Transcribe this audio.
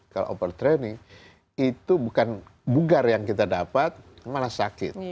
kalau overtraining itu bukan bugar yang kita dapat malah sakit